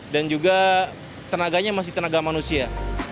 dan juga tenaganya masih tenaga manusia